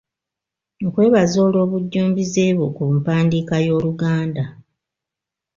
Nkwebaza olw'obujjumbize bwo ku mpandiika y'Oluganda.